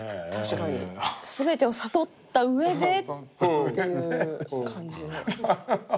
全てを悟った上でっていう感じ。